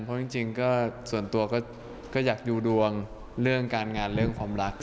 เพราะจริงก็ส่วนตัวก็อยากดูดวงเรื่องการงานเรื่องความรัก